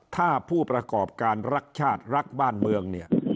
ถ้าผู้ประกอบการรักชาติรักบ้านเมืองเนี่ย